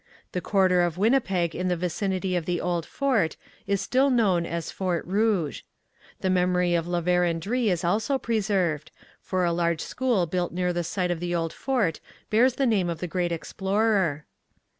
The quarter of Winnipeg in the vicinity of the old fort is still known as Fort Rouge. The memory of La Vérendrye is also preserved, for a large school built near the site of the old fort bears the name of the great explorer.